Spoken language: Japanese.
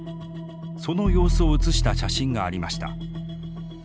その様子を写した写真がありました。